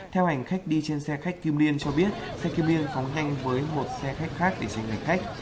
theo hành khách đi trên xe khách kim liên cho biết xe kim liên phóng nhanh với một xe khách khác để giành khách